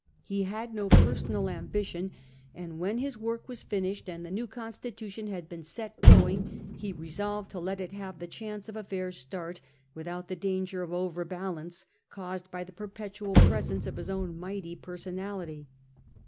He had no personal ambition, and when his work was finished and the new constitution had been set going, he resolved to let it have the chance of a fair start, with out the danger of overbalance caused by the perpetual presence of his own mighty personality.